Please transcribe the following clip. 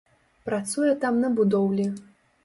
Працуе там на будоўлі.